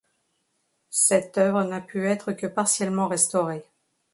Cette œuvre n'a pu être que partiellement restaurée.